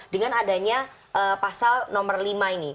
dengan adanya pasal nomor lima ini